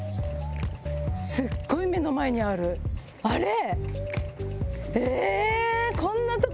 すっごい目の前にあるあれ？